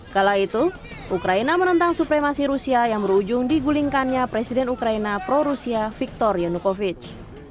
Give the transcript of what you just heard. kala itu ukraina menentang supremasi rusia yang berujung digulingkannya presiden ukraina pro rusia victor yenukovic